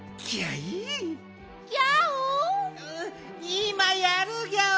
いまやるギャオ。